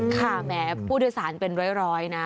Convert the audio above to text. แหมผู้โดยสารเป็นร้อยนะ